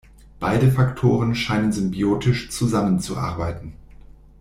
Beide Faktoren scheinen symbiotisch zusammenzuarbeiten.